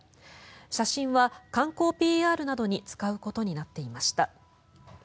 写真は観光ＰＲなどに使うことになっていました。